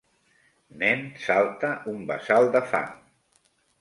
nen salta un bassal de fang.